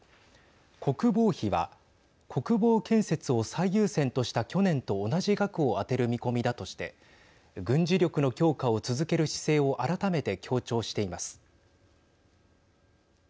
国防費は国防建設を最優先とした去年と同じ額を充てる見込みだとして軍事力の強化を続ける姿勢を改めて強調しています。